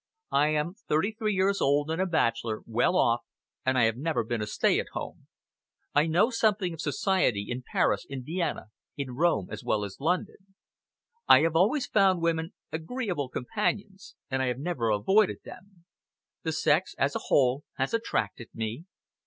"I am thirty three years old and a bachelor, well off, and I have never been a stay at home. I know something of society in Paris, in Vienna, in Rome, as well as London. I have always found women agreeable companions, and I have never avoided them. The sex, as a whole, has attracted me.